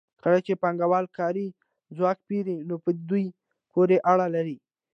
کله چې پانګوال کاري ځواک پېري نو په دوی پورې اړه لري